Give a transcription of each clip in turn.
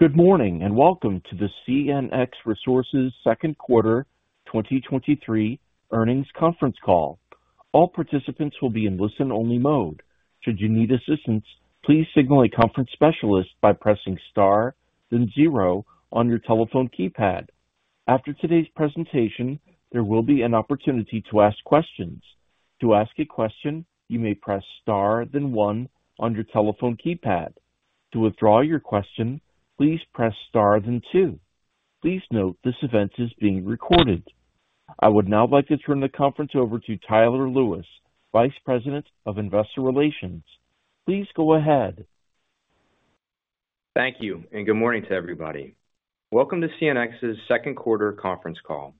Good morning. Welcome to the CNX Resources Second Quarter 2023 Earnings Conference Call. All participants will be in listen-only mode. Should you need assistance, please signal a conference specialist by pressing star, then zero on your telephone keypad. After today's presentation, there will be an opportunity to ask questions. To ask a question, you may press star then one on your telephone keypad. To withdraw your question, please press star, then two. Please note, this event is being recorded. I would now like to turn the conference over to Tyler Lewis, Vice President of Investor Relations. Please go ahead. Thank you. Good morning to everybody. Welcome to CNX's second quarter conference call.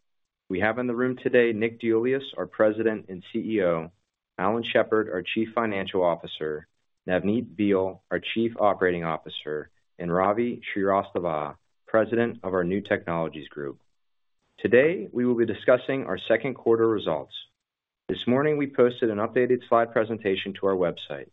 We have in the room today Nick DeIuliis, our President and CEO, Alan Shepard, our Chief Financial Officer, Navneet Behl, our Chief Operating Officer, and Ravi Srivastava, President of our New Technologies Group. Today, we will be discussing our second quarter results. This morning, we posted an updated slide presentation to our website.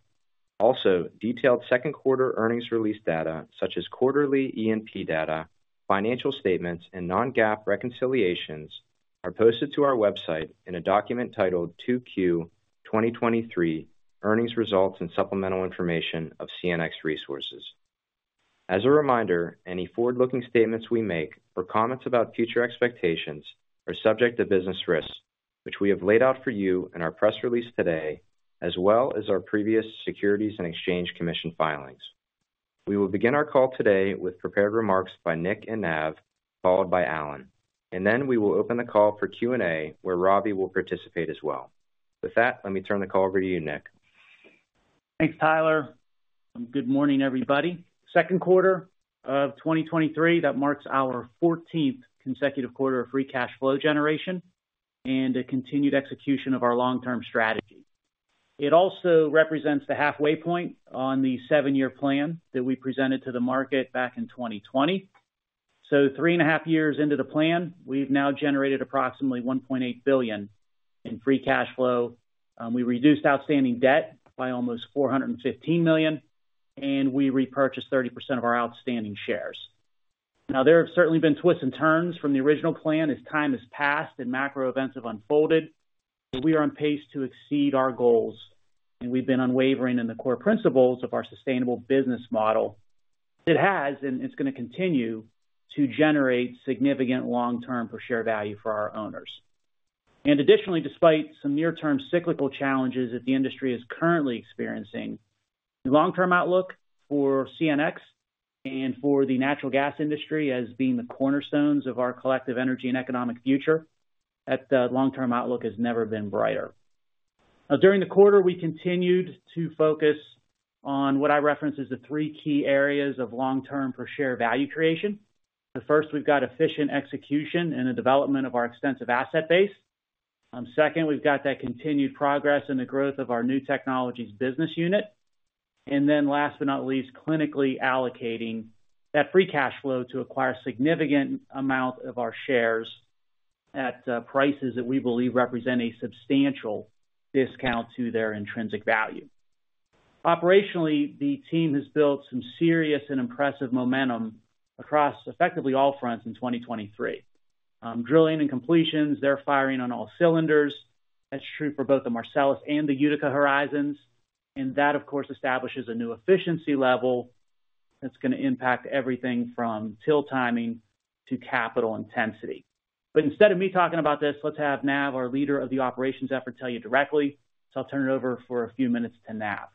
Also, detailed second quarter earnings release data, such as quarterly E&P data, financial statements, and non-GAAP reconciliations, are posted to our website in a document titled "2Q 2023 Earnings Results and Supplemental Information of CNX Resources." As a reminder, any forward-looking statements we make or comments about future expectations are subject to business risks, which we have laid out for you in our press release today, as well as our previous Securities and Exchange Commission filings. We will begin our call today with prepared remarks by Nick and Nav, followed by Alan, and then we will open the call for Q&A, where Ravi will participate as well. With that, let me turn the call over to you, Nick. Thanks, Tyler. Good morning, everybody. Second quarter of 2023, that marks our 14th consecutive quarter of free cash flow generation and a continued execution of our long-term strategy. It also represents the halfway point on the seven-year plan that we presented to the market back in 2020. Three and a half years into the plan, we've now generated approximately $1.8 billion in free cash flow. We reduced outstanding debt by almost $415 million, and we repurchased 30% of our outstanding shares. Now, there have certainly been twists and turns from the original plan as time has passed and macro events have unfolded, but we are on pace to exceed our goals, and we've been unwavering in the core principles of our sustainable business model. It has, and it's gonna continue to generate significant long-term per share value for our owners. Additionally, despite some near-term cyclical challenges that the industry is currently experiencing, the long-term outlook for CNX and for the natural gas industry as being the cornerstones of our collective energy and economic future, that long-term outlook has never been brighter. During the quarter, we continued to focus on what I reference as the three key areas of long-term per share value creation. The first, we've got efficient execution and the development of our extensive asset base. Second, we've got that continued progress in the growth of our new technologies business unit. Last but not least, clinically allocating that free cash flow to acquire significant amount of our shares at prices that we believe represent a substantial discount to their intrinsic value. Operationally, the team has built some serious and impressive momentum across effectively all fronts in 2023. Drilling and completions, they're firing on all cylinders. That's true for both the Marcellus and the Utica Horizons. That, of course, establishes a new efficiency level that's gonna impact everything from till timing to capital intensity. Instead of me talking about this, let's have Nav, our leader of the operations effort, tell you directly. I'll turn it over for a few minutes to Nav.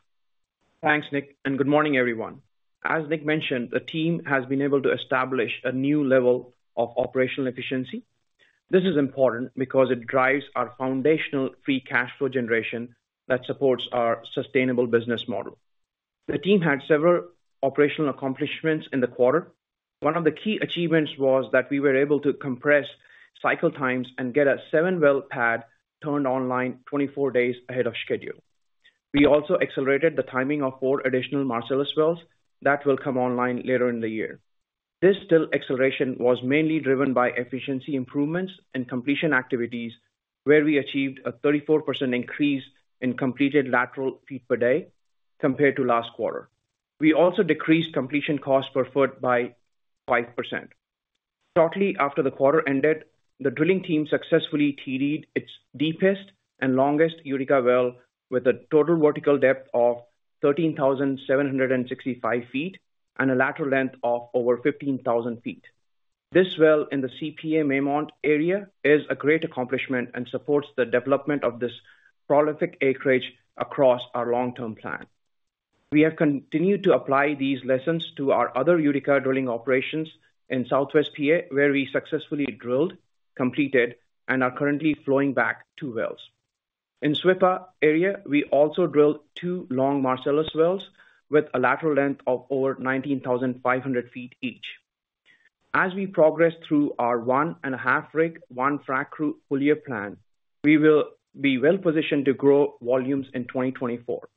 Thanks, Nick. Good morning, everyone. As Nick mentioned, the team has been able to establish a new level of operational efficiency. This is important because it drives our foundational free cash flow generation that supports our sustainable business model. The team had several operational accomplishments in the quarter. One of the key achievements was that we were able to compress cycle times and get a seven well pad turned online 24 days ahead of schedule. We also accelerated the timing of four additional Marcellus wells that will come online later in the year. This still acceleration was mainly driven by efficiency improvements and completion activities, where we achieved a 34% increase in completed lateral feet per day compared to last quarter. We also decreased completion cost per foot by 5%. Shortly after the quarter ended, the drilling team successfully TD'd its deepest and longest Utica well, with a total vertical depth of 13,765 feet and a lateral length of over 15,000 feet. This well in the CPA Mammoth area is a great accomplishment and supports the development of this prolific acreage across our long-term plan. We have continued to apply these lessons to our other Utica drilling operations in Southwest PA, where we successfully drilled, completed, and are currently flowing back two wells. In SWPA area, we also drilled two long Marcellus wells with a lateral length of over 19,500 feet each. As we progress through our one-and-a-half rig, one frac crew full year plan, we will be well positioned to grow volumes in 2024.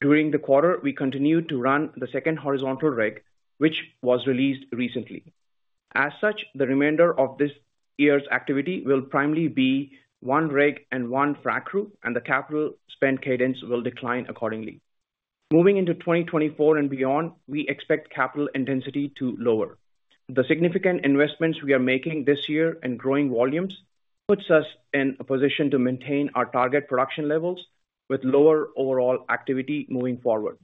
During the quarter, we continued to run the second horizontal rig, which was released recently. As such, the remainder of this year's activity will primarily be one rig and one frac crew, and the capital spend cadence will decline accordingly. Moving into 2024 and beyond, we expect capital intensity to lower. The significant investments we are making this year in growing volumes, puts us in a position to maintain our target production levels with lower overall activity moving forward.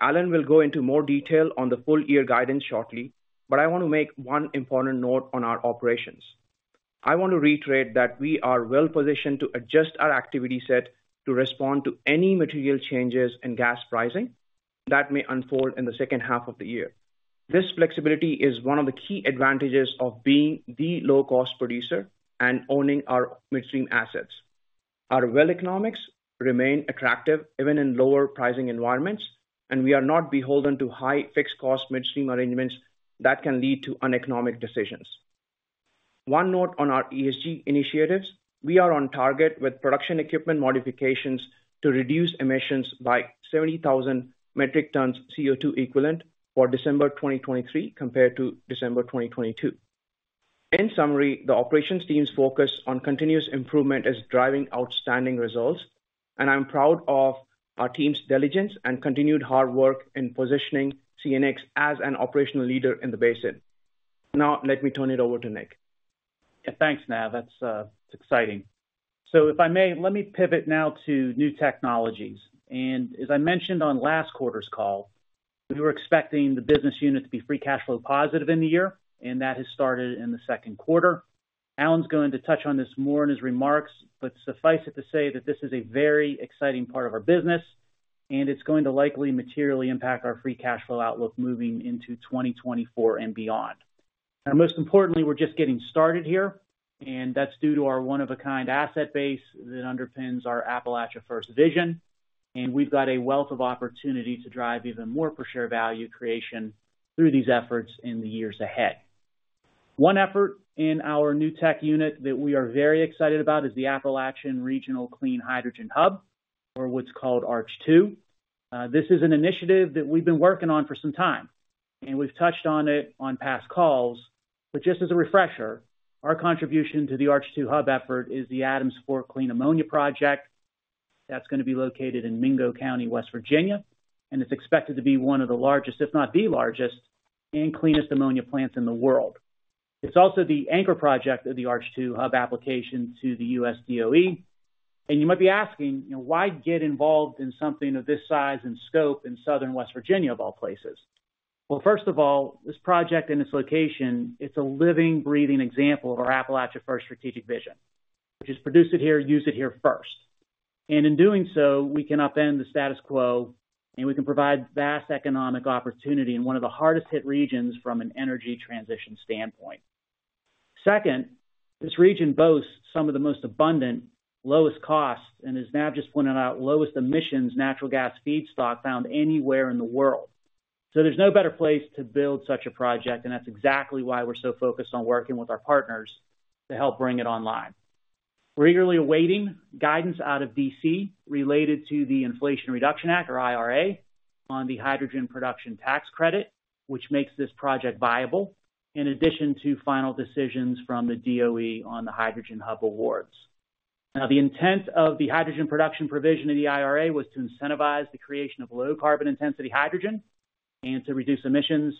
Alan will go into more detail on the full year guidance shortly, but I want to make one important note on our operations. I want to reiterate that we are well positioned to adjust our activity set to respond to any material changes in gas pricing that may unfold in the second half of the year. This flexibility is one of the key advantages of being the low-cost producer and owning our midstream assets. Our well economics remain attractive even in lower pricing environments. We are not beholden to high fixed cost midstream arrangements that can lead to uneconomic decisions. One note on our ESG initiatives, we are on target with production equipment modifications to reduce emissions by 70,000 metric tons of CO₂ equivalent for December 2023, compared to December 2022. In summary, the operations team's focus on continuous improvement is driving outstanding results. I'm proud of our team's diligence and continued hard work in positioning CNX as an operational leader in the basin. Now, let me turn it over to Nick. Yeah, thanks, Nav. That's that's exciting. If I may, let me pivot now to new technologies. As I mentioned on last quarter's call, we were expecting the business unit to be free cash flow positive in the year, and that has started in the second quarter. Alan's going to touch on this more in his remarks, but suffice it to say that this is a very exciting part of our business, and it's going to likely materially impact our free cash flow outlook moving into 2024 and beyond. Most importantly, we're just getting started here, and that's due to our one-of-a-kind asset base that underpins our Appalachia First vision. We've got a wealth of opportunity to drive even more per share value creation through these efforts in the years ahead. One effort in our New Technologies group that we are very excited about is the Appalachian Regional Clean Hydrogen Hub, or what's called ARCH2. This is an initiative that we've been working on for some time, and we've touched on it on past calls. Just as a refresher, our contribution to the ARCH2 hub effort is the Adams Fork Energy Clean Ammonia Project. That's gonna be located in Mingo County, West Virginia, and it's expected to be one of the largest, if not the largest, and cleanest ammonia plants in the world. It's also the anchor project of the ARCH2 hub application to the US DOE. You might be asking, why get involved in something of this size and scope in southern West Virginia, of all places? Well, first of all, this project and its location, it's a living, breathing example of our Appalachia First strategic vision, which is produce it here, use it here first. In doing so, we can upend the status quo, and we can provide vast economic opportunity in one of the hardest hit regions from an energy transition standpoint. Second, this region boasts some of the most abundant, lowest cost, and as Nav just pointed out, lowest emissions natural gas feedstock found anywhere in the world. There's no better place to build such a project, and that's exactly why we're so focused on working with our partners to help bring it online. We're eagerly awaiting guidance out of D.C. related to the Inflation Reduction Act, or IRA, on the hydrogen production tax credit, which makes this project viable, in addition to final decisions from the DOE on the Hydrogen Hub awards. The intent of the hydrogen production provision of the IRA was to incentivize the creation of low carbon intensity hydrogen, and to reduce emissions,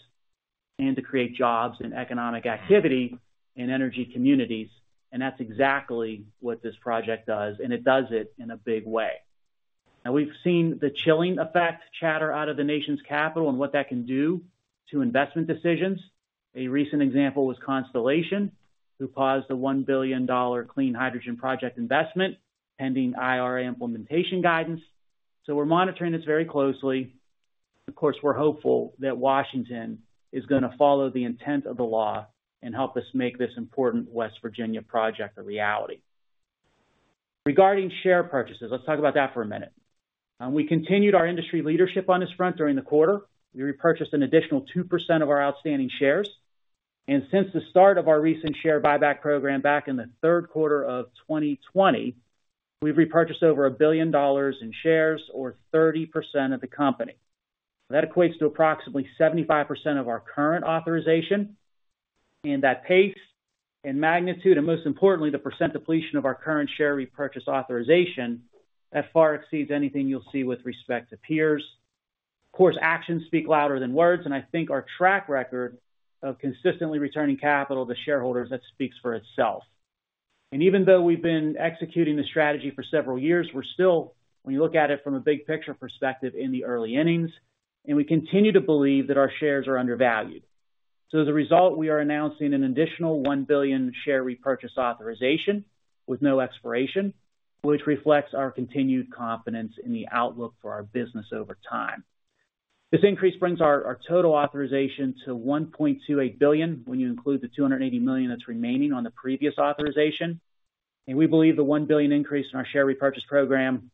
and to create jobs and economic activity in energy communities. That's exactly what this project does, and it does it in a big way. We've seen the chilling effect chatter out of the nation's capital and what that can do to investment decisions. A recent example was Constellation, who paused the $1 billion clean hydrogen project investment pending IRA implementation guidance. We're monitoring this very closely. Of course, we're hopeful that Washington is going to follow the intent of the law and help us make this important West Virginia project a reality. Regarding share purchases, let's talk about that for a minute. We continued our industry leadership on this front during the quarter. We repurchased an additional 2% of our outstanding shares. Since the start of our recent share buyback program back in the 3rd quarter of 2020, we've repurchased over $1 billion in shares, or 30% of the company. That equates to approximately 75% of our current authorization. That pace and magnitude, Most importantly, the percent depletion of our current share repurchase authorization, that far exceeds anything you'll see with respect to peers. Of course, actions speak louder than words, I think our track record of consistently returning capital to shareholders, that speaks for itself. Even though we've been executing the strategy for several years, we're still, when you look at it from a big picture perspective, in the early innings, and we continue to believe that our shares are undervalued. As a result, we are announcing an additional $1 billion share repurchase authorization with no expiration, which reflects our continued confidence in the outlook for our business over time. This increase brings our total authorization to $1.28 billion when you include the $280 million that's remaining on the previous authorization, and we believe the $1 billion increase in our share repurchase program,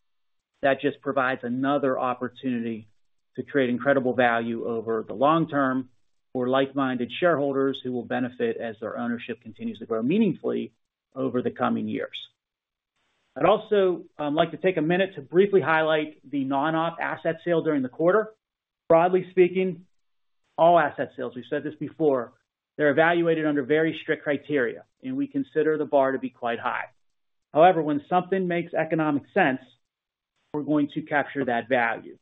that just provides another opportunity to create incredible value over the long term for like-minded shareholders who will benefit as their ownership continues to grow meaningfully over the coming years. I'd also like to take a minute to briefly highlight the non-op asset sale during the quarter. Broadly speaking, all asset sales, we've said this before, they're evaluated under very strict criteria, and we consider the bar to be quite high. However, when something makes economic sense, we're going to capture that value.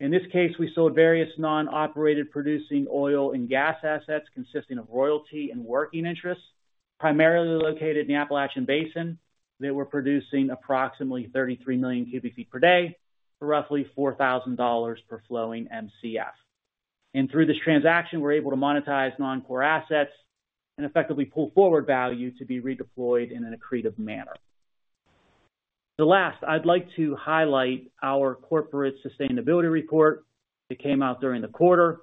In this case, we sold various non-operated producing oil and gas assets, consisting of royalty and working interests, primarily located in the Appalachian Basin, that were producing approximately 33 million cubic feet per day, for roughly $4,000 per flowing MCF. Through this transaction, we're able to monetize non-core assets and effectively pull forward value to be redeployed in an accretive manner. The last, I'd like to highlight our corporate sustainability report that came out during the quarter.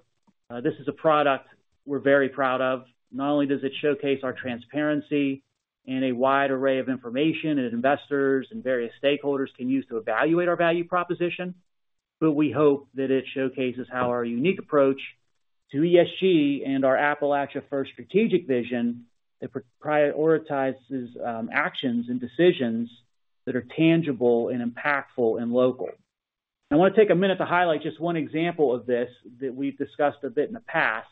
This is a product we're very proud of. Not only does it showcase our transparency and a wide array of information that investors and various stakeholders can use to evaluate our value proposition, but we hope that it showcases how our unique approach to ESG and our Appalachia First strategic vision, it prioritizes actions and decisions that are tangible and impactful and local. I wanna take a minute to highlight just one example of this that we've discussed a bit in the past.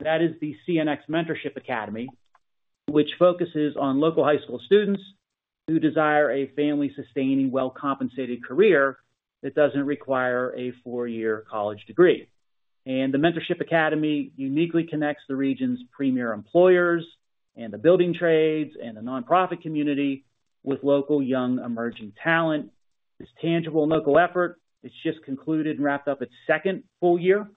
That is the CNX Mentorship Academy, which focuses on local high school students who desire a family-sustaining, well-compensated career that doesn't require a four-year college degree. The Mentorship Academy uniquely connects the region's premier employers, and the building trades, and the nonprofit community with local, young, emerging talent. This tangible and local effort, it's just concluded and wrapped up its second full year,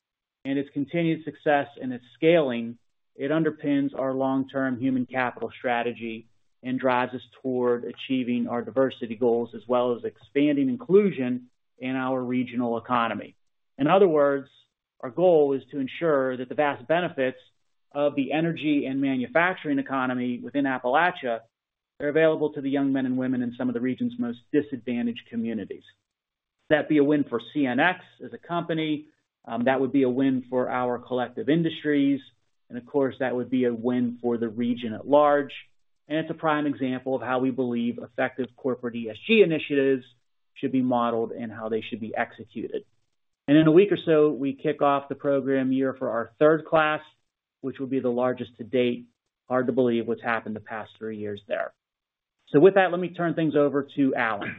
and its continued success and its scaling, it underpins our long-term human capital strategy and drives us toward achieving our diversity goals, as well as expanding inclusion in our regional economy. In other words, our goal is to ensure that the vast benefits of the energy and manufacturing economy within Appalachia are available to the young men and women in some of the region's most disadvantaged communities. That'd be a win for CNX as a company, that would be a win for our collective industries, and of course, that would be a win for the region at large. It's a prime example of how we believe effective corporate ESG initiatives should be modeled and how they should be executed. In a week or so, we kick off the program year for our third class, which will be the largest to date. Hard to believe what's happened the past three years there. With that, let me turn things over to Alan.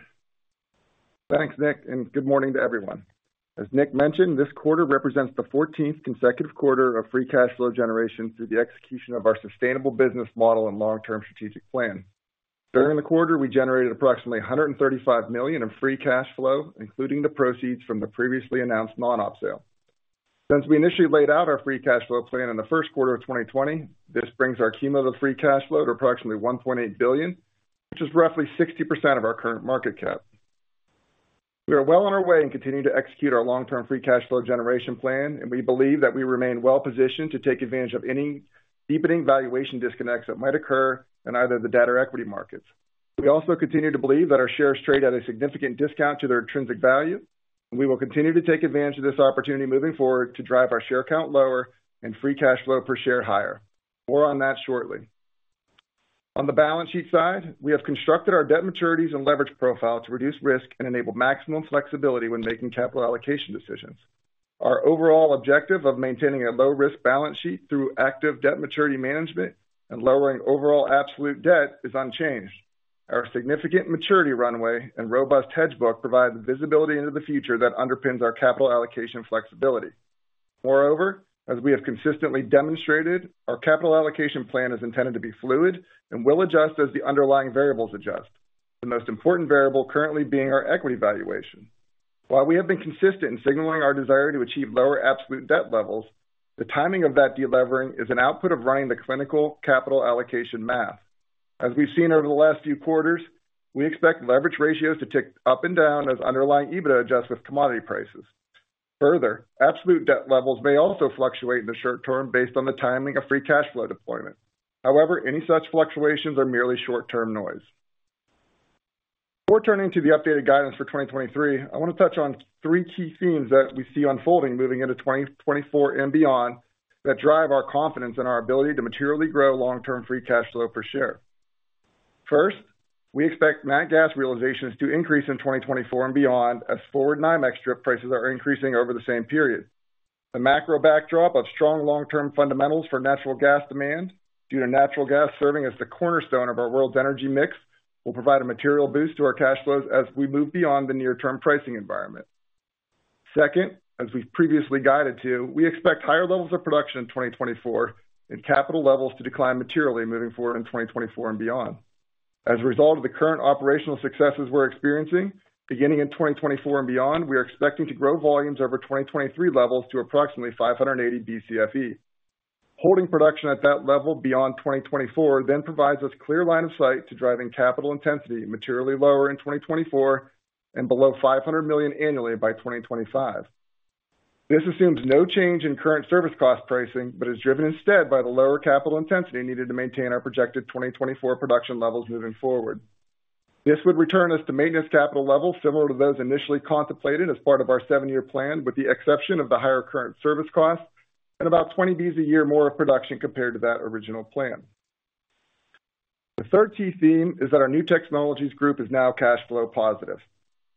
Thanks, Nick. Good morning to everyone. As Nick mentioned, this quarter represents the 14th consecutive quarter of free cash flow generation through the execution of our sustainable business model and long-term strategic plan. During the quarter, we generated approximately $135 million in free cash flow, including the proceeds from the previously announced non-op sale. Since we initially laid out our free cash flow plan in the first quarter of 2020, this brings our cumulative free cash flow to approximately $1.8 billion, which is roughly 60% of our current market cap. We are well on our way in continuing to execute our long-term free cash flow generation plan, and we believe that we remain well positioned to take advantage of any deepening valuation disconnects that might occur in either the debt or equity markets. We also continue to believe that our shares trade at a significant discount to their intrinsic value, and we will continue to take advantage of this opportunity moving forward to drive our share count lower and free cash flow per share higher. More on that shortly. On the balance sheet side, we have constructed our debt maturities and leverage profile to reduce risk and enable maximum flexibility when making capital allocation decisions. Our overall objective of maintaining a low-risk balance sheet through active debt maturity management and lowering overall absolute debt is unchanged. Our significant maturity runway and robust hedge book provide the visibility into the future that underpins our capital allocation flexibility. Moreover, as we have consistently demonstrated, our capital allocation plan is intended to be fluid and will adjust as the underlying variables adjust. The most important variable currently being our equity valuation. While we have been consistent in signaling our desire to achieve lower absolute debt levels, the timing of that delevering is an output of running the clinical capital allocation math. As we've seen over the last few quarters, we expect leverage ratios to tick up and down as underlying EBITDA adjusts with commodity prices. Further, absolute debt levels may also fluctuate in the short term based on the timing of free cash flow deployment. However, any such fluctuations are merely short-term noise. Before turning to the updated guidance for 2023, I want to touch on three key themes that we see unfolding moving into 2024 and beyond, that drive our confidence in our ability to materially grow long-term free cash flow per share. First, we expect nat gas realizations to increase in 2024 and beyond as forward NYMEX strip prices are increasing over the same period. The macro backdrop of strong long-term fundamentals for natural gas demand due to natural gas serving as the cornerstone of our world's energy mix, will provide a material boost to our cash flows as we move beyond the near-term pricing environment. Second, as we've previously guided to, we expect higher levels of production in 2024 and capital levels to decline materially moving forward in 2024 and beyond. As a result of the current operational successes we're experiencing, beginning in 2024 and beyond, we are expecting to grow volumes over 2023 levels to approximately 580 BCFE. Holding production at that level beyond 2024 then provides us clear line of sight to driving capital intensity materially lower in 2024 and below $500 million annually by 2025. This assumes no change in current service cost pricing, but is driven instead by the lower capital intensity needed to maintain our projected 2024 production levels moving forward. This would return us to maintenance capital levels similar to those initially contemplated as part of our seven-year plan, with the exception of the higher current service costs and about 20 days a year more of production compared to that original plan. The third key theme is that our New Technologies group is now cash flow positive.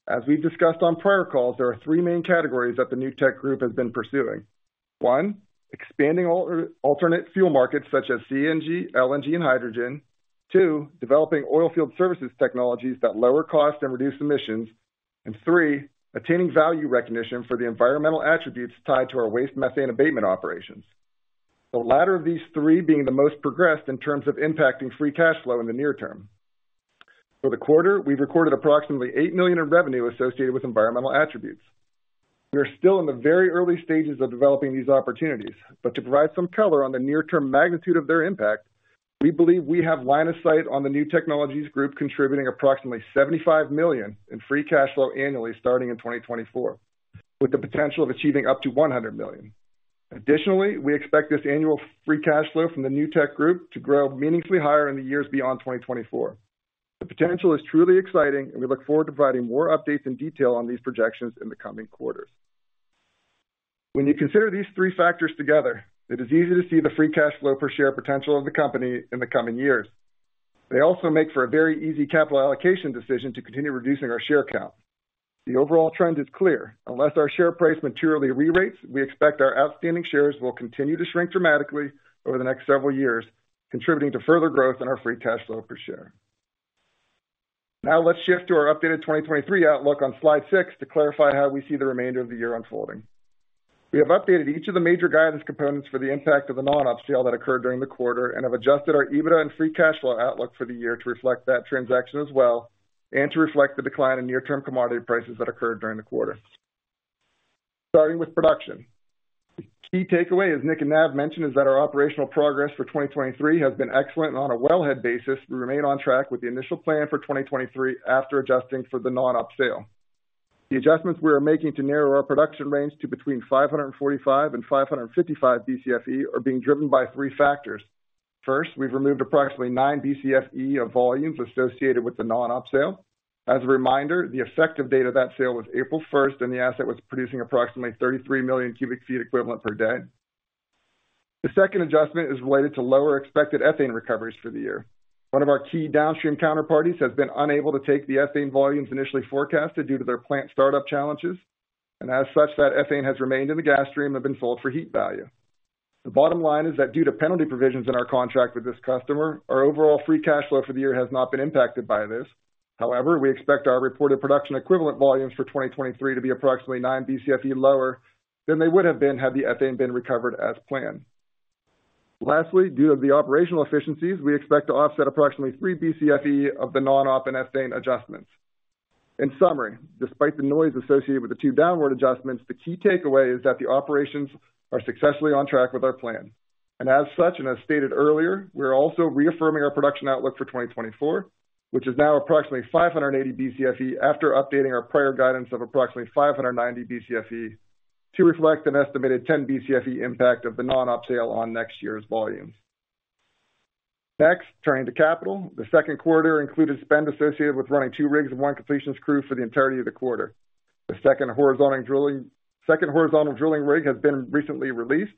As we've discussed on prior calls, there are three main categories that the New Technologies group has been pursuing. One, expanding alternate fuel markets such as CNG, LNG, and hydrogen. Two, developing oilfield services technologies that lower costs and reduce emissions. Three, attaining value recognition for the environmental attributes tied to our waste methane abatement operations. The latter of these three being the most progressed in terms of impacting free cash flow in the near term. For the quarter, we've recorded approximately $8 million in revenue associated with environmental attributes. We are still in the very early stages of developing these opportunities. To provide some color on the near-term magnitude of their impact, we believe we have line of sight on the New Technologies group contributing approximately $75 million in free cash flow annually, starting in 2024, with the potential of achieving up to $100 million. We expect this annual free cash flow from the new tech group to grow meaningfully higher in the years beyond 2024. The potential is truly exciting. We look forward to providing more updates and detail on these projections in the coming quarters. When you consider these three factors together, it is easy to see the free cash flow per share potential of the company in the coming years. They also make for a very easy capital allocation decision to continue reducing our share count. The overall trend is clear: unless our share price materially re-rates, we expect our outstanding shares will continue to shrink dramatically over the next several years, contributing to further growth in our free cash flow per share. Let's shift to our updated 2023 outlook on slide six to clarify how we see the remainder of the year unfolding. We have updated each of the major guidance components for the impact of the non-op sale that occurred during the quarter, and have adjusted our EBITDA and free cash flow outlook for the year to reflect that transaction as well, and to reflect the decline in near-term commodity prices that occurred during the quarter. Starting with production. The key takeaway, as Nick and Nav mentioned, is that our operational progress for 2023 has been excellent, and on a wellhead basis, we remain on track with the initial plan for 2023 after adjusting for the non-op sale. The adjustments we are making to narrow our production range to between 545 and 555 Bcfe are being driven by three factors. First, we've removed approximately nine Bcfe of volumes associated with the non-op sale. As a reminder, the effective date of that sale was 1st April, and the asset was producing approximately 33 million cubic feet equivalent per day. The second adjustment is related to lower expected ethane recoveries for the year. One of our key downstream counterparties has been unable to take the ethane volumes initially forecasted due to their plant startup challenges, and as such, that ethane has remained in the gas stream and been sold for heat value. The bottom line is that due to penalty provisions in our contract with this customer, our overall free cash flow for the year has not been impacted by this. However, we expect our reported production equivalent volumes for 2023 to be approximately nine Bcfe lower than they would have been, had the ethane been recovered as planned. Lastly, due to the operational efficiencies, we expect to offset approximately 3 Bcfe of the non-op and ethane adjustments. In summary, despite the noise associated with the 2 downward adjustments, the key takeaway is that the operations are successfully on track with our plan. As such, and as stated earlier, we are also reaffirming our production outlook for 2024, which is now approximately 580 Bcfe, after updating our prior guidance of approximately 590 Bcfe, to reflect an estimated 10 Bcfe impact of the non-op sale on next year's volumes. Next, turning to capital. The second quarter included spend associated with running two rigs and one completions crew for the entirety of the quarter. The second horizontal drilling rig has been recently released,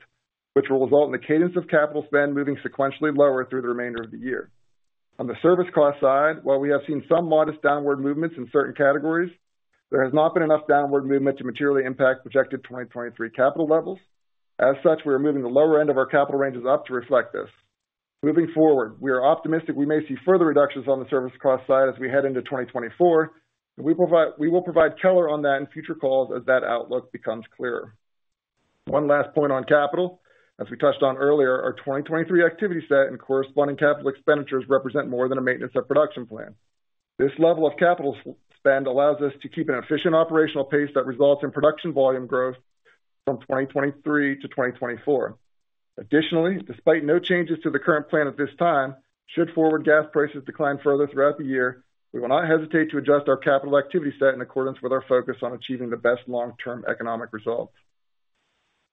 which will result in the cadence of capital spend moving sequentially lower through the remainder of the year. On the service cost side, while we have seen some modest downward movements in certain categories, there has not been enough downward movement to materially impact projected 2023 capital levels. As such, we are moving the lower end of our capital ranges up to reflect this. Moving forward, we are optimistic we may see further reductions on the service cost side as we head into 2024, and we will provide color on that in future calls as that outlook becomes clearer. One last point on capital. As we touched on earlier, our 2023 activity set and corresponding capital expenditures represent more than a maintenance of production plan. This level of capital spend allows us to keep an efficient operational pace that results in production volume growth from 2023 to 2024. Additionally, despite no changes to the current plan at this time, should forward gas prices decline further throughout the year, we will not hesitate to adjust our capital activity set in accordance with our focus on achieving the best long-term economic results.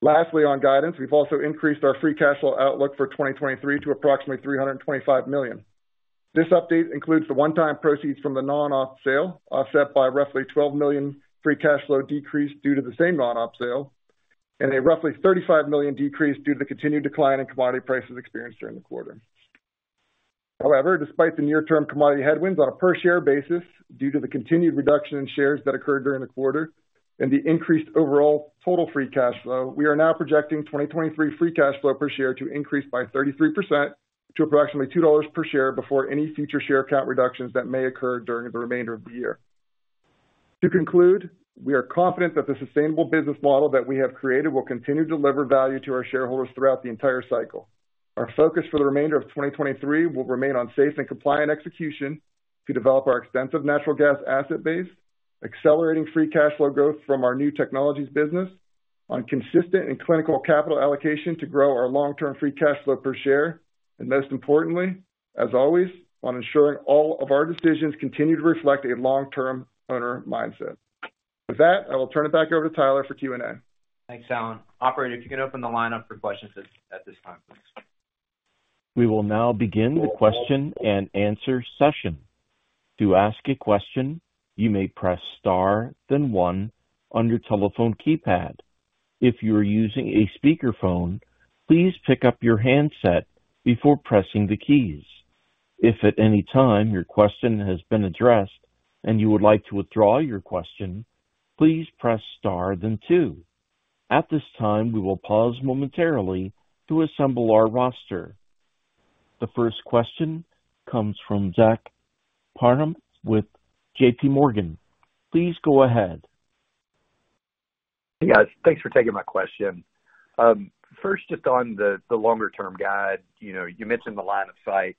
Lastly, on guidance, we've also increased our free cash flow outlook for 2023 to approximately $325 million. This update includes the one-time proceeds from the non-op sale, offset by roughly $12 million free cash flow decrease due to the same non-op sale, and a roughly $35 million decrease due to the continued decline in commodity prices experienced during the quarter. However, despite the near-term commodity headwinds on a per-share basis, due to the continued reduction in shares that occurred during the quarter and the increased overall total free cash flow, we are now projecting 2023 free cash flow per share to increase by 33% to approximately $2 per share before any future share count reductions that may occur during the remainder of the year. To conclude, we are confident that the sustainable business model that we have created will continue to deliver value to our shareholders throughout the entire cycle. Our focus for the remainder of 2023 will remain on safe and compliant execution to develop our extensive natural gas asset base, accelerating free cash flow growth from our new technologies business, on consistent and clinical capital allocation to grow our long-term free cash flow per share, and most importantly, as always, on ensuring all of our decisions continue to reflect a long-term owner mindset. With that, I will turn it back over to Tyler for Q&A. Thanks, Alan. Operator, if you can open the line up for questions at this time, please. We will now begin the question-and-answer session. To ask a question, you may press star then one on your telephone keypad. If you are using a speakerphone, please pick up your handset before pressing the keys. If at any time your question has been addressed and you would like to withdraw your question, please press star then two. At this time, we will pause momentarily to assemble our roster. The first question comes from Zach Parham with JPMorgan. Please go ahead. Hey, guys. Thanks for taking my question. First, just on the, the longer-term guide, you know, you mentioned the line of sight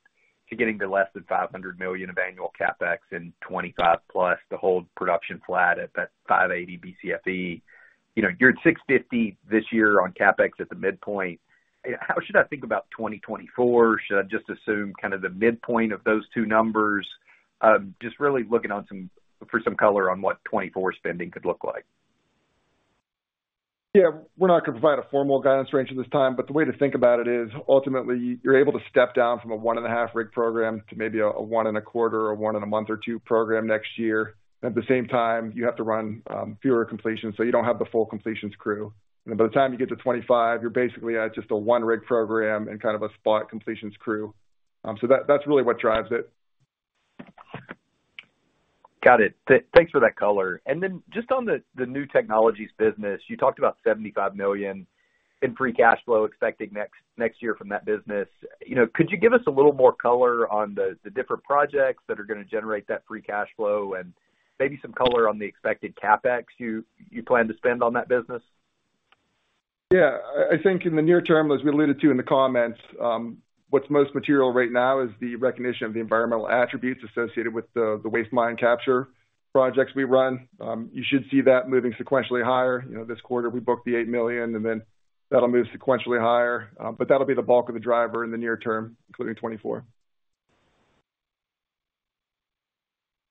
to getting to less than $500 million of annual CapEx in 2025+ to hold production flat at that 580 BCFE. You know, you're at $650 this year on CapEx at the midpoint. How should I think about 2024? Should I just assume kind of the midpoint of those two numbers? Just really looking for some color on what 2024 spending could look like. Yeah. We're not going to provide a formal guidance range at this time, but the way to think about it is, ultimately, you're able to step down from a 1.5-rig program to maybe a 1.25 or one in a month or two program next year. At the same time, you have to run fewer completions, so you don't have the full completions crew. By the time you get to 25, you're basically at just a 1-rig program and kind of a spot completions crew. So that's really what drives it. Got it. Thanks for that color. Then just on the, the New Technologies business, you talked about $75 million in free cash flow expecting next year from that business. You know, could you give us a little more color on the, the different projects that are going to generate that free cash flow and maybe some color on the expected CapEx you plan to spend on that business? Yeah. I think in the near term, as we alluded to in the comments, what's most material right now is the recognition of the environmental attributes associated with the waste mine capture projects we run. You should see that moving sequentially higher. You know, this quarter, we booked the $8 million, then that'll move sequentially higher. That'll be the bulk of the driver in the near term, including 2024.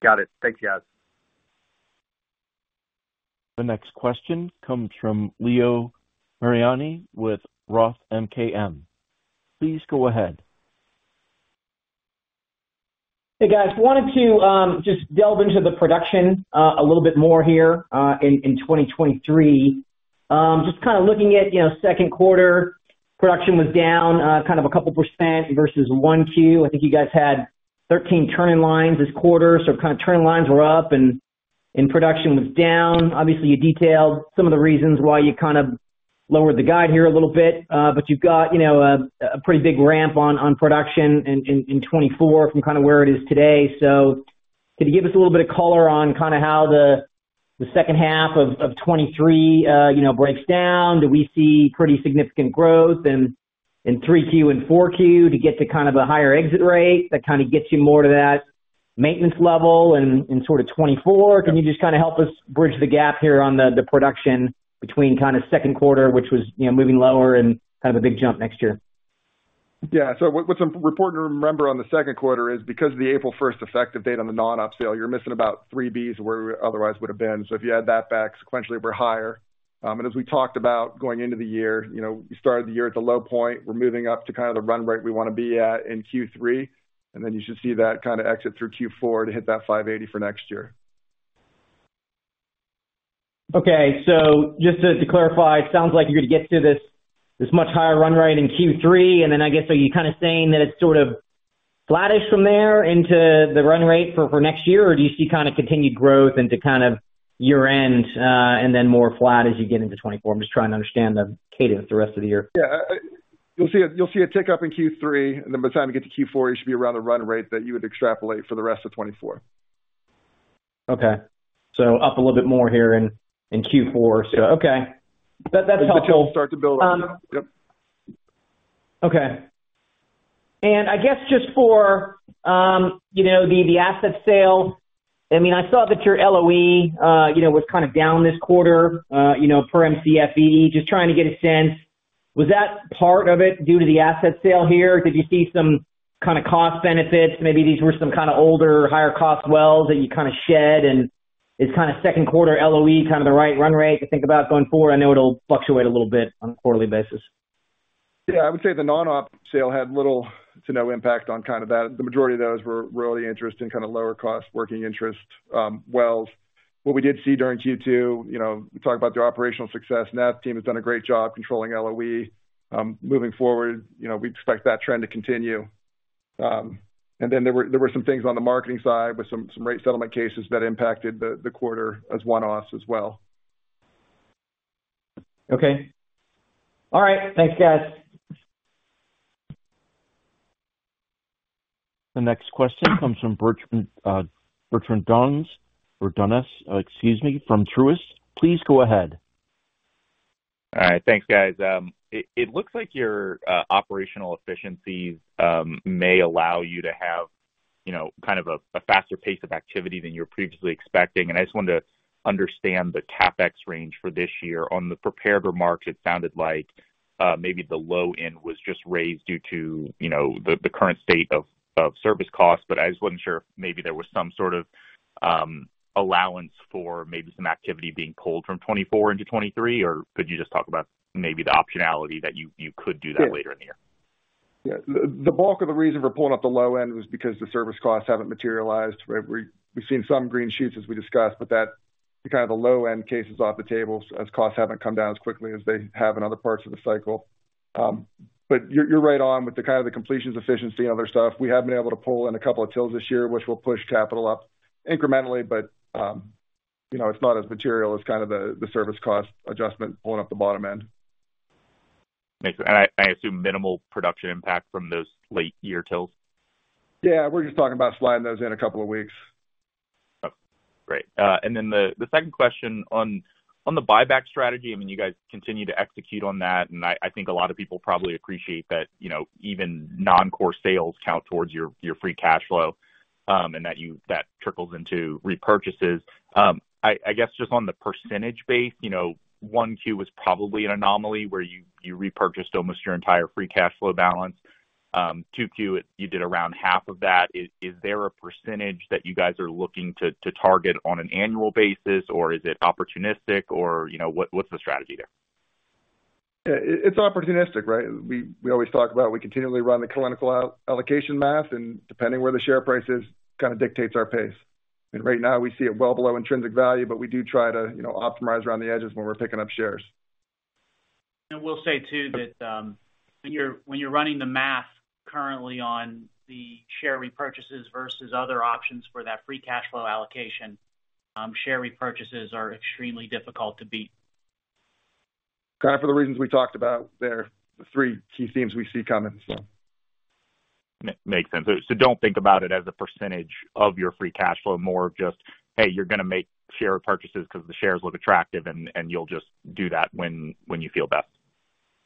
Got it. Thanks, guys. The next question comes from Leo Mariani with Roth MKM. Please go ahead. Hey, guys, wanted to, just delve into the production a little bit more here in 2023. Just kind of looking at, you know, second quarter, production was down, kind of a couple percent versus 1Q. I think you guys had 13 turning lines this quarter, so kind of turning lines were up and production was down. Obviously, you detailed some of the reasons why you kind of lowered the guide here a little bit, but you've got, you know, a pretty big ramp on production in 2024 from kind of where it is today. Could you give us a little bit of color on kind of how the second half of 2023, you know, breaks down? Do we see pretty significant growth in 3Q and 4Q to get to kind of a higher exit rate that kind of gets you more to that maintenance level in sort of 2024? Can you just kind of help us bridge the gap here on the, the production between kind of 2Q, which was, you know, moving lower and kind of a big jump next year? What, what's important to remember on the second quarter is because of the April first effective date on the non-op sale, you're missing about 3 Bs where we otherwise would have been. If you add that back sequentially, we're higher. As we talked about going into the year, you know, we started the year at the low point. We're moving up to kind of the run rate we want to be at in Q3, and then you should see that kind of exit through Q4 to hit that 580 for next year. Okay. Just to clarify, it sounds like you're gonna get to this much higher run rate in Q3, I guess, are you kind of saying that it's sort of flattish from there into the run rate for next year? Do you see kind of continued growth into kind of year-end, and then more flat as you get into 2024? I'm just trying to understand the cadence the rest of the year. Yeah. You'll see a tick up in Q3. By the time you get to Q4, you should be around the run rate that you would extrapolate for the rest of 2024. Okay. Up a little bit more here in Q4. Okay. That's helpful. Start to build. Yep. Okay. I guess just for, you know, the, the asset sale, I mean, I saw that your LOE, you know, was kind of down this quarter, you know, per Mcfe. Just trying to get a sense, was that part of it due to the asset sale here? Did you see some kind of cost benefits? Maybe these were some kind of older, higher-cost wells that you kind of shed, and it's kind of second quarter LOE, kind of the right run rate to think about going forward. I know it'll fluctuate a little bit on a quarterly basis. I would say the non-op sale had little to no impact on kind of that. The majority of those were royalty interest in kind of lower cost, working interest wells. What we did see during Q2, you know, talk about the operational success, Nav's team has done a great job controlling LOE. Moving forward, you know, we expect that trend to continue. Then there were some things on the marketing side with some rate settlement cases that impacted the quarter as one-offs as well. Okay. All right. Thanks, guys. The next question comes from Bertrand Donnes. Please go ahead. All right. Thanks, guys. It looks like your operational efficiencies may allow you to have, you know, kind of a faster pace of activity than you were previously expecting, and I just wanted to understand the CapEx range for this year. On the prepared remarks, it sounded like, maybe the low end was just raised due to, you know, the current state of service costs, but I just wasn't sure if maybe there was some sort of allowance for maybe some activity being pulled from 2024 into 2023? Could you just talk about maybe the optionality that you could do that later in the year? The bulk of the reason for pulling up the low end was because the service costs haven't materialized. Right? We've seen some green shoots, as we discussed, but that kind of the low-end case is off the table, as costs haven't come down as quickly as they have in other parts of the cycle. You're right on with the kind of the completions, efficiency and other stuff. We have been able to pull in a couple of tills this year, which will push capital up incrementally, but, you know, it's not as material as kind of the service cost adjustment pulling up the bottom end. I assume minimal production impact from those late-year wells? Yeah, we're just talking about sliding those in a couple of weeks. Oh, great. The, the second question on, on the buyback strategy, I mean, you guys continue to execute on that, and I think a lot of people probably appreciate that, you know, even non-core sales count towards your, your free cash flow, and that trickles into repurchases. I guess, just on the % base, you know, 1 Q was probably an anomaly where you, you repurchased almost your entire free cash flow balance. 2Q, you did around half of that. Is there a % that you guys are looking to, to target on an annual basis, or is it opportunistic? Or, you know, what, what's the strategy there? It's opportunistic, right? We always talk about, we continually run the clinical all-allocation math, and depending where the share price is, kind of dictates our pace. Right now, we see it well below intrinsic value, but we do try to, you know, optimize around the edges when we're picking up shares. We'll say, too, that, when you're running the math currently on the share repurchases versus other options for that free cash flow allocation, share repurchases are extremely difficult to beat. Kind of for the reasons we talked about there, the three key themes we see coming, so. Makes sense. Don't think about it as a % of your free cash flow, more of just, hey, you're gonna make share purchases because the shares look attractive, and you'll just do that when you feel best.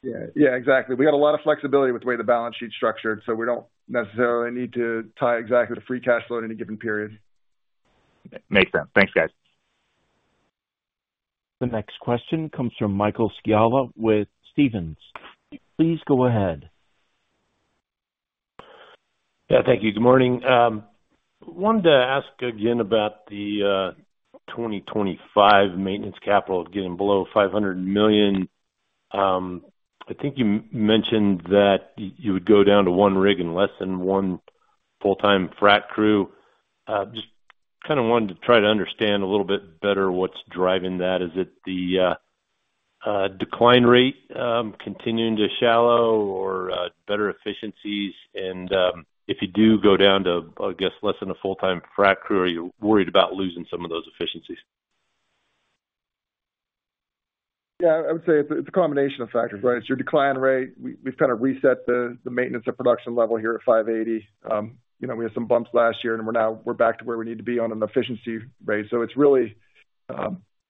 Yeah. Yeah, exactly. We got a lot of flexibility with the way the balance sheet's structured, so we don't necessarily need to tie exactly the free cash flow at any given period. Makes sense. Thanks, guys. The next question comes from Michael Schiavo with Stephens. Please go ahead. Yeah, thank you. Good morning. wanted to ask again about the 2025 maintenance capital of getting below $500 million. I think you mentioned that you would go down to 1 rig and less than 1 full-time frac crew. Just kind of wanted to try to understand a little bit better what's driving that. Is it the decline rate, continuing to shallow or better efficiencies? If you do go down to, I guess, less than 1 full-time frac crew, are you worried about losing some of those efficiencies? Yeah, I would say it's a combination of factors, right? It's your decline rate. We've kind of reset the maintenance of production level here at 580. You know, we had some bumps last year, we're back to where we need to be on an efficiency rate. It's really,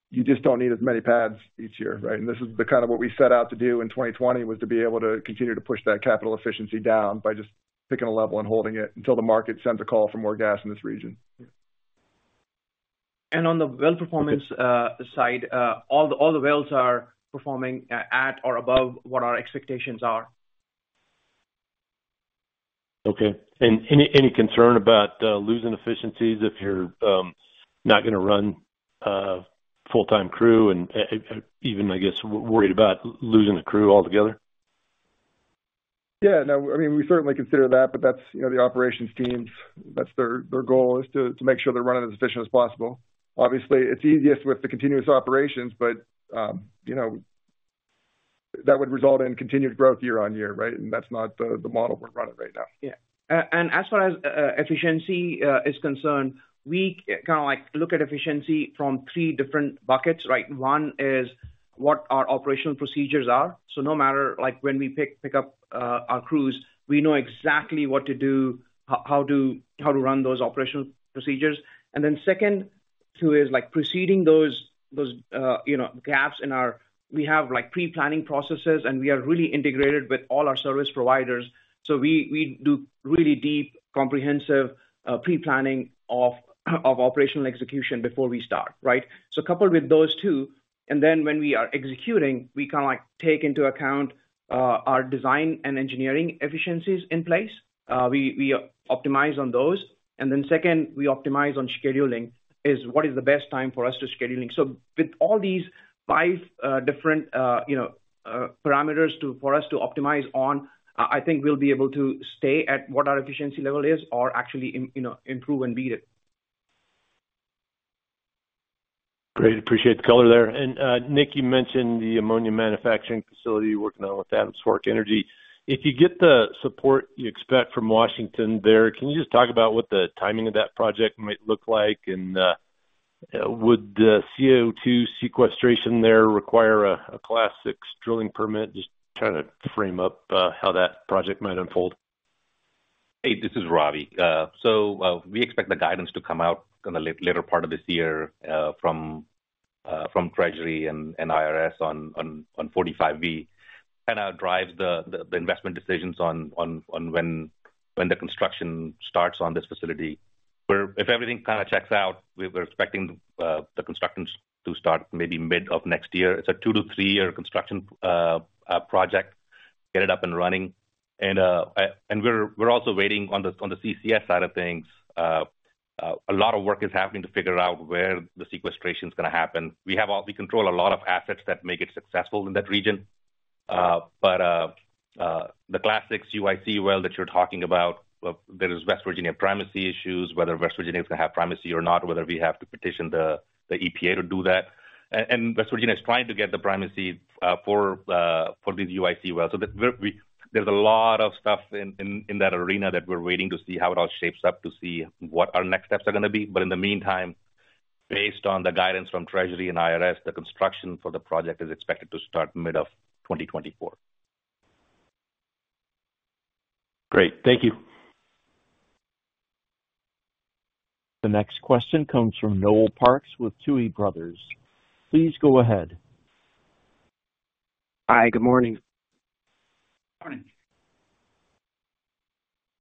you just don't need as many pads each year, right? This is the kind of what we set out to do in 2020, was to be able to continue to push that capital efficiency down by just picking a level and holding it until the market sends a call for more gas in this region. On the well performance, side, all the wells are performing at or above what our expectations are. Okay. Any concern about losing efficiencies if you're not gonna run full-time crew and even, I guess, worried about losing the crew altogether? Yeah. No, I mean, we certainly consider that, but that's, you know, the operations teams, that's their, their goal is to make sure they're running as efficient as possible. Obviously, it's easiest with the continuous operations, but, you know, that would result in continued growth year-on-year, right? That's not the, the model we're running right now. Yeah. As far as efficiency is concerned, we kind of like look at efficiency from three different buckets, right? One is what our operational procedures are. No matter like when we pick up our crews, we know exactly what to do, how to run those operational procedures. Second, too, is like preceding those, you know, gaps in our we have, like, pre-planning processes, and we are really integrated with all our service providers. We do really deep, comprehensive, pre-planning of operational execution before we start, right? Coupled with those two, when we are executing, we kind of like take into account our design and engineering efficiencies in place. We optimize on those. Second, we optimize on scheduling, is what is the best time for us to scheduling. With all these five different, you know, parameters for us to optimize on, I think we'll be able to stay at what our efficiency level is or actually, you know, improve and beat it. Great. Appreciate the color there. Nick, you mentioned the ammonia manufacturing facility you're working on with Adams Fork Energy. If you get the support you expect from Washington there, can you just talk about what the timing of that project might look like? Would the CO2 sequestration there require a classic drilling permit? Just trying to frame up how that project might unfold. Hey, this is Ravi. We expect the guidance to come out in the later part of this year from Treasury and IRS on 45V. Kind of drives the investment decisions on when the construction starts on this facility, where if everything kind of checks out, we're expecting the construction to start maybe mid of next year. It's a two to three year construction project to get it up and running. We're also waiting on the CCS side of things. A lot of work is happening to figure out where the sequestration is gonna happen. We control a lot of assets that make it successful in that region. The classic UIC well that you're talking about, there is West Virginia primacy issues, whether West Virginia is gonna have primacy or not, whether we have to petition the EPA to do that. West Virginia is trying to get the primacy for the UIC well. There's a lot of stuff in that arena that we're waiting to see how it all shapes up, to see what our next steps are gonna be. In the meantime, based on the guidance from Treasury and IRS, the construction for the project is expected to start mid-2024. Great. Thank you. The next question comes from Noel Parks with Tuohy Brothers. Please go ahead. Hi, good morning. Morning.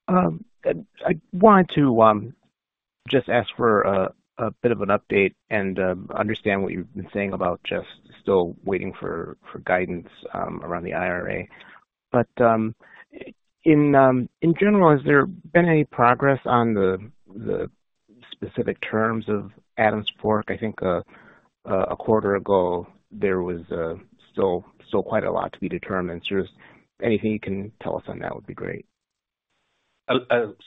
I wanted to just ask for a bit of an update and understand what you've been saying about just still waiting for guidance around the IRA. In general, has there been any progress on the specific terms of Adams Fork? I think a quarter ago there was still quite a lot to be determined. Just anything you can tell us on that would be great. Uh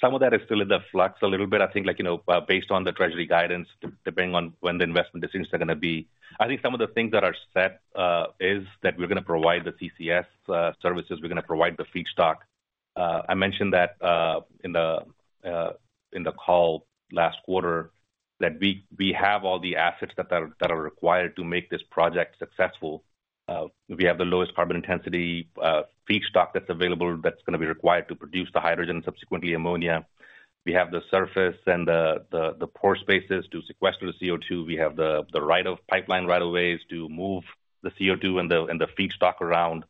some of that is still in the flux a little bit. I think, like, you know, uh, based on the treasury guidance, de-depending on when the investment decisions are gonna be. I think some of the things that are set, uh, is that we're gonna provide the CCS, uh, services, we're gonna provide the feedstock. I mentioned that in the call last quarter, that we have all the assets that are, that are required to make this project successful. Uh, we have the lowest carbon intensity, uh, feedstock that's available, that's gonna be required to produce the hydrogen, subsequently ammonia. We have the surface and the, the, the pore spaces to sequester the CO2. We have the, the right of pipeline right of ways to move the CO2 and the, and the feedstock around.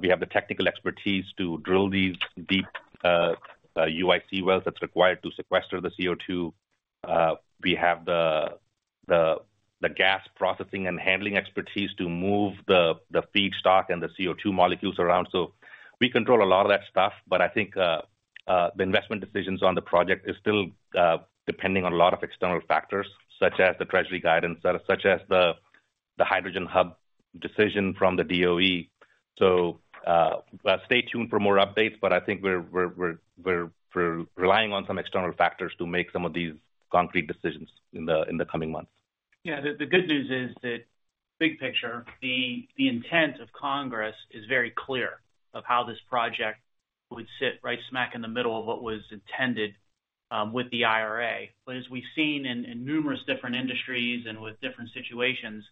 We have the technical expertise to drill these deep UIC wells that is required to sequester the CO2. We have the gas processing and handling expertise to move the feedstock and the CO2 molecules around. We control a lot of that stuff. I think the investment decisions on the project is still depending on a lot of external factors, such as the Treasury guidance, such as the Hydrogen Hub decision from the DOE. Stay tuned for more updates, but I think we are relying on some external factors to make some of these concrete decisions in the coming months. Yeah, the good news is that big picture, the intent of Congress is very clear of how this project would sit right smack in the middle of what was intended with the IRA. As we've seen in numerous different industries and with different situations,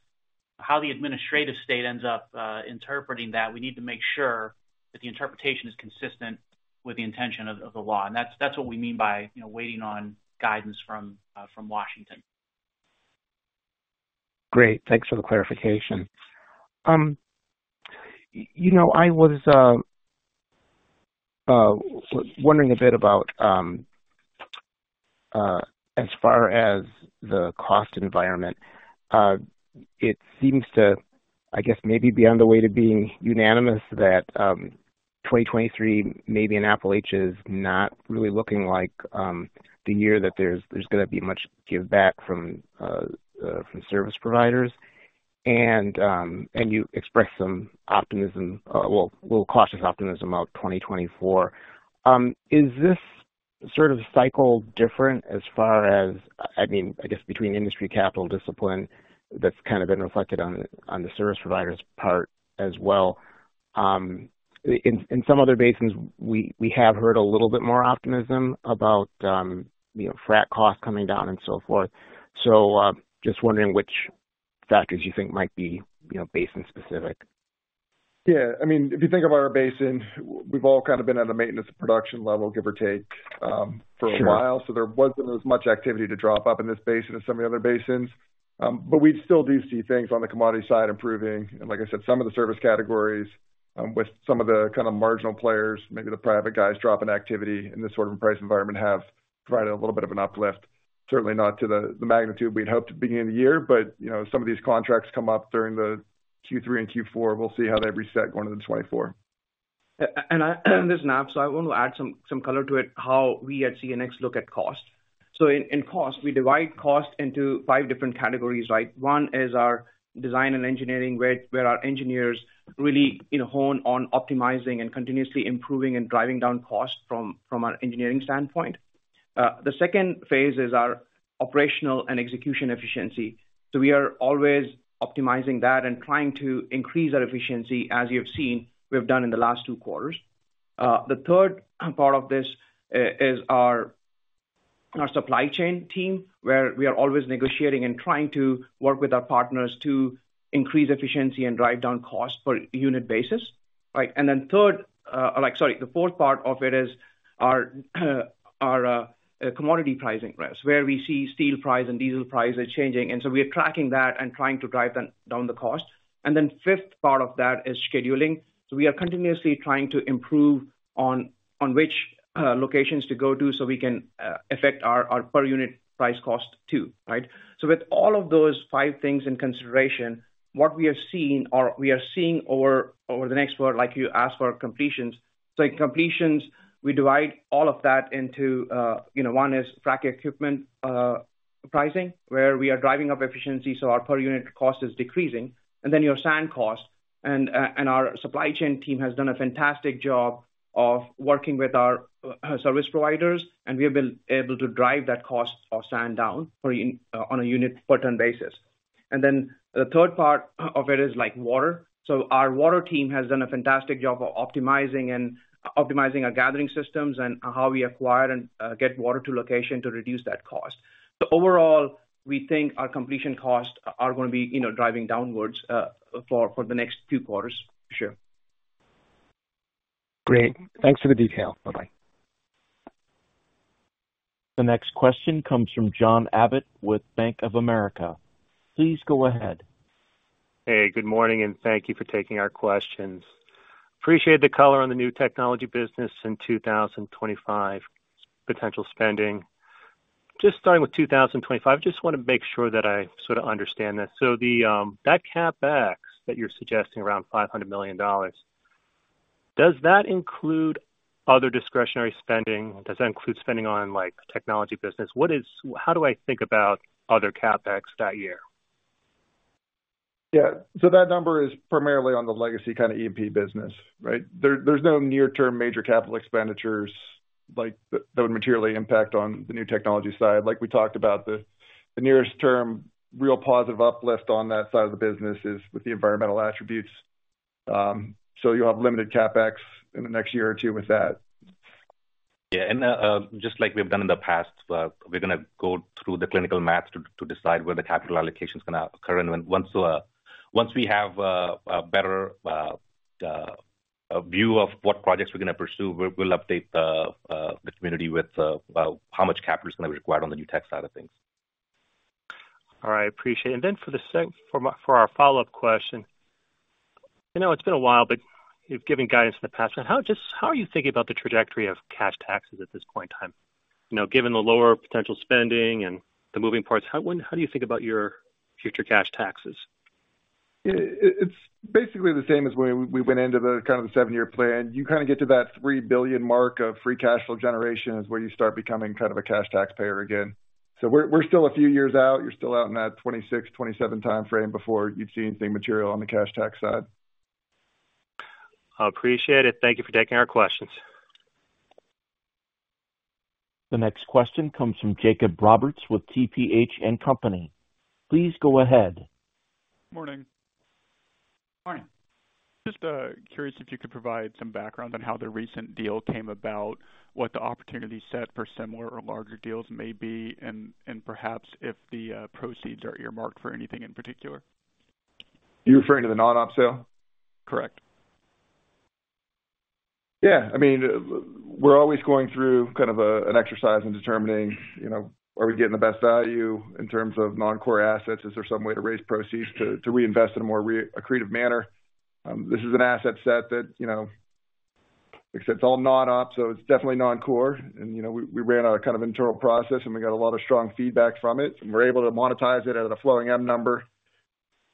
how the administrative state ends up interpreting that, we need to make sure that the interpretation is consistent with the intention of the law. That's what we mean by, you know, waiting on guidance from Washington. Great. Thanks for the clarification. You know, I was wondering a bit about as far as the cost environment. It seems to, I guess, maybe be on the way to being unanimous that 2023, maybe in Appalachia, is not really looking like the year that there's gonna be much give back from service providers. You expressed some optimism, well, little cautious optimism about 2024. Is this sort of cycle different as far as... I mean, I guess, between industry capital discipline, that's kind of been reflected on the service providers part as well? In some other basins, we have heard a little bit more optimism about, you know, frac cost coming down and so forth. Just wondering which factors you think might be, you know, basin specific? I mean, if you think of our basin, we've all kind of been at a maintenance production level, give or take, for a while. Sure. There wasn't as much activity to drop up in this basin as some of the other basins. We still do see things on the commodity side improving. Like I said, some of the service categories, with some of the kind of marginal players, maybe the private guys dropping activity in this sort of price environment, have provided a little bit of an uplift. Certainly not to the, the magnitude we'd hoped to be in the year, but, you know, some of these contracts come up during the Q3 and Q4. We'll see how they reset going into 2024. This is Nav, so I want to add some color to it, how we at CNX look at cost. In cost, we divide cost into five different categories, right? One is our design and engineering, where our engineers really, you know, hone on optimizing and continuously improving and driving down costs from an engineering standpoint. The second phase is our operational and execution efficiency. We are always optimizing that and trying to increase our efficiency, as you've seen, we have done in the last two quarters. The third part of this is our supply chain team, where we are always negotiating and trying to work with our partners to increase efficiency and drive down costs per unit basis, right? Third, like sorry, the fourth part of it is our commodity pricing press, where we see steel prices and diesel prices changing. We are tracking that and trying to drive down the cost. Fifth part of that is scheduling. We are continuously trying to improve on which locations to go to, we can affect our per unit price cost too, right? With all of those five things in consideration, what we are seeing over the next quarter, like you asked for completions. In completions, we divide all of that into, you know, one is frac equipment. pricing, where we are driving up efficiency, so our per unit cost is decreasing. Then your sand cost. Our supply chain team has done a fantastic job of working with our service providers, and we have been able to drive that cost of sand down on a unit per ton basis. Then the third part of it is like water. Our water team has done a fantastic job of optimizing and optimizing our gathering systems and how we acquire and get water to location to reduce that cost. Overall, we think our completion costs are going to be, you know, driving downwards for the next two quarters. Sure. Great. Thanks for the detail. Bye-bye. The next question comes from John Abbott with Bank of America. Please go ahead. Hey, good morning, thank you for taking our questions. Appreciate the color on the new technology business in 2025 potential spending. Starting with 2025, just want to make sure that I sort of understand this. That CapEx that you're suggesting, around $500 million, does that include other discretionary spending? Does that include spending on, like, technology business? How do I think about other CapEx that year? Yeah. That number is primarily on the legacy kind of E&P business, right? There's no near-term major capital expenditures like that would materially impact on the new technology side. Like we talked about, the nearest term, real positive uplift on that side of the business is with the environmental attributes. You'll have limited CapEx in the next year or two with that. Yeah, just like we've done in the past, we're gonna go through the clinical maths to decide where the capital allocation is gonna occur. Once we have a better view of what projects we're gonna pursue, we'll update the community with how much capital is going to be required on the new tech side of things. All right, appreciate it. For our follow-up question, I know it's been a while, but you've given guidance in the past. How are you thinking about the trajectory of cash taxes at this point in time? You know, given the lower potential spending and the moving parts, how do you think about your future cash taxes? It's basically the same as when we went into the kind of the seven-year plan. You kind of get to that $3 billion mark of free cash flow generation is where you start becoming kind of a cash taxpayer again. We're still a few years out. You're still out in that 2026, 2027 time frame before you'd see anything material on the cash tax side. I appreciate it. Thank you for taking our questions. The next question comes from Jacob Roberts with TPH & Co. Please go ahead. Morning. Morning. Just curious if you could provide some background on how the recent deal came about, what the opportunity set for similar or larger deals may be, and perhaps if the proceeds are earmarked for anything in particular? You're referring to the non-op sale? Correct. Yeah. I mean, we're always going through kind of an exercise in determining, you know, are we getting the best value in terms of non-core assets? Is there some way to raise proceeds to reinvest in a more accretive manner? This is an asset set that, you know, like I said, it's all non-op, so it's definitely non-core. We ran our kind of internal process, and we got a lot of strong feedback from it, and we're able to monetize it at a flowing M number.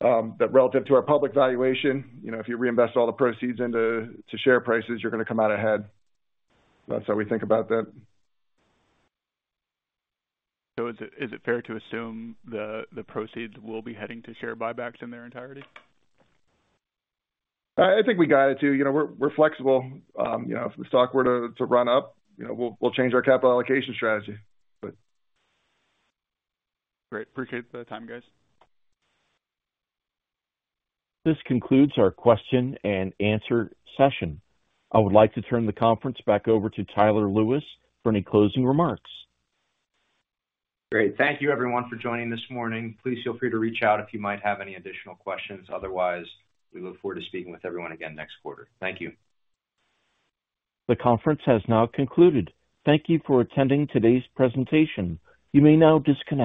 Relative to our public valuation, you know, if you reinvest all the proceeds into share prices, you're gonna come out ahead. That's how we think about that. Is it fair to assume the proceeds will be heading to share buybacks in their entirety? I think we got it, too. You know, we're flexible. You know, if the stock were to run up, you know, we'll change our capital allocation strategy, but. Great. Appreciate the time, guys. This concludes our question-and-answer session. I would like to turn the conference back over to Tyler Lewis for any closing remarks. Great. Thank you, everyone, for joining this morning. Please feel free to reach out if you might have any additional questions. Otherwise, we look forward to speaking with everyone again next quarter. Thank you. The conference has now concluded. Thank you for attending today's presentation. You may now disconnect.